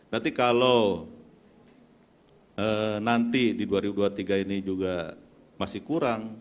nanti kalau nanti di dua ribu dua puluh tiga ini juga masih kurang